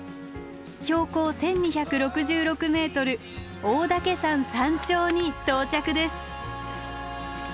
標高１，２６６ｍ大岳山山頂に到着です。